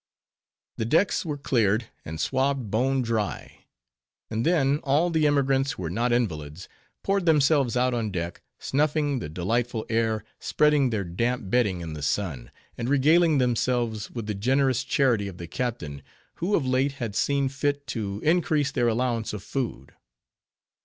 The decks were cleared, and swabbed bone dry; and then, all the emigrants who were not invalids, poured themselves out on deck, snuffing the delightful air, spreading their damp bedding in the sun, and regaling themselves with the generous charity of the captain, who of late had seen fit to increase their allowance of food.